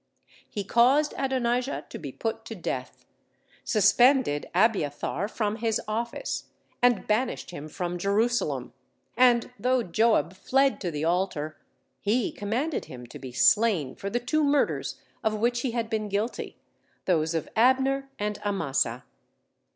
He caused Adonijah to be put to death; suspended Abiathar from his office, and banished him from Jerusalem: and though Joab fled to the altar, he commanded him to be slain for the two murders of which he had been guilty, those of Abner and Amasa.